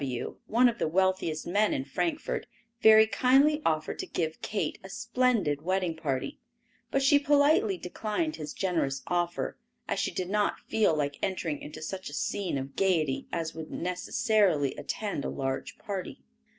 W——, one of the wealthiest men in Frankfort, very kindly offered to give Kate a splendid wedding party, but she politely declined his generous offer, as she did not feel like entering into such a scene of gayety as would necessarily attend a large party.